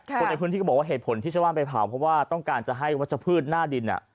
คนในพื้นที่ก็บอกว่าเหตุผลที่ชาวบ้านไปเผาเพราะว่าต้องการจะให้วัชพืชหน้าดิน